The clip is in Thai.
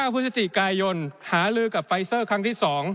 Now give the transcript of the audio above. พฤศจิกายนหาลือกับไฟเซอร์ครั้งที่๒